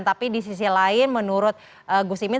tapi disisi lain menurut gus imin